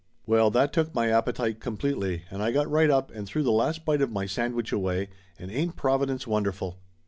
Well, that took my appetite completely, and I got right up and threw the last bite of my sandwich away and ain't Providence wonderful?